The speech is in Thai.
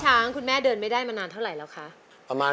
ช้างคุณแม่เดินไม่ได้มานานเท่าไหร่แล้วคะ